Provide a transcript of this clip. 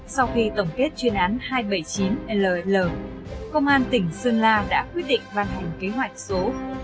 sau khi tổng kết chuyên án hai trăm bảy mươi chín ll công an tỉnh sơn la đã quyết định văn hành kế hoạch số ba trăm hai mươi bảy